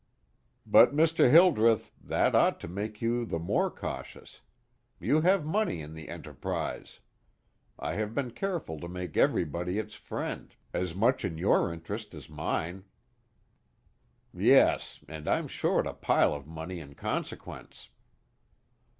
"But, Mr. Hildreth, that ought to make you the more cautious. You have money in the Enterprise. I have been careful to make everybody its friend, as much in your interest as mine." "Yes, and I'm short a pile of money in consequence."